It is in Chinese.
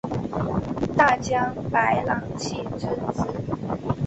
大将柏良器之子。